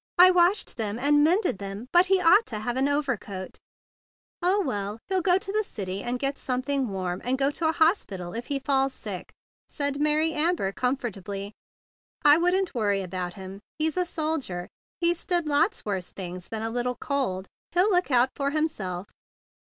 I washed them and mended them, but he ought to have had an overcoat." 116 THE BIG BLUE SOLDIER "Oh, well, he'll go to the city and get something warm, and go to a hospital if he feels sick," said Mary Amber com¬ fortably. "I wouldn't worry about him. He's a soldier. He's stood lots worse things than a little cold. He'll look out for himself."